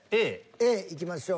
Ａいきましょう。